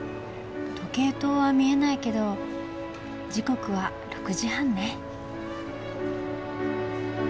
時計塔は見えないけど時刻はうん。